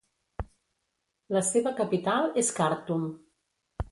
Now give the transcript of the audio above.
La seva capital és Khartum.